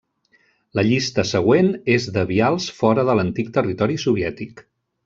La llista següent és de vials fora de l'antic territori soviètic.